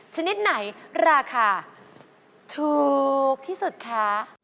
ชนิดไหนราคาถูกที่สุดคะ